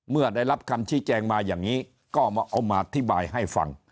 เมื่อได้รับคำชี้แจงมาอย่างนี้ก็เอามาอธิบายให้ฟัง